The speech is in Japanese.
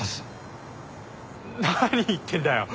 何言ってんだよ！